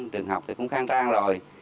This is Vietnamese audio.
trường học thì cũng khang trang rồi